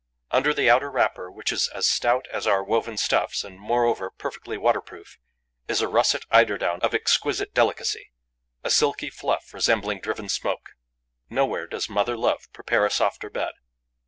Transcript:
Under the outer wrapper, which is as stout as our woven stuffs and, moreover, perfectly waterproof, is a russet eiderdown of exquisite delicacy, a silky fluff resembling driven smoke. Nowhere does mother love prepare a softer bed.